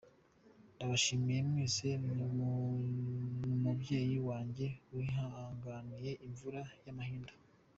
Ndabashimira mwese n’umubyeyi wanjye wihanganiye imvura y’amahindu.